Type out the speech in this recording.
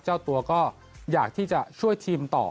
เจ้าตัวก็อยากที่จะช่วยทีมต่อ